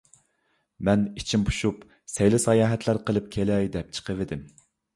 مەن ئىچىم پۇشۇپ، سەيلە - ساياھەتلەر قىلىپ كېلەي دەپ چىقىۋىدىم.